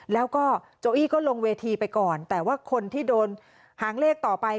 แล้วก็โจอี้ก็ลงเวทีไปก่อนแต่ว่าคนที่โดนหางเลขต่อไป